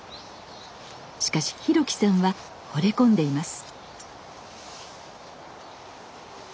しかし博樹さんはほれ込んでいます。